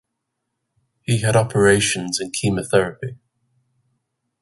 He had operations and chemotherapy.